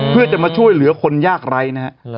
เพื่อจะมาช่วยเหลือคนยากไร้นะฮะ